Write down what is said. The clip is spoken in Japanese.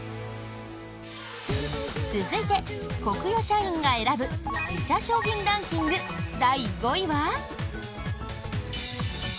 続いて、コクヨ社員が選ぶ自社商品ランキング第５位は。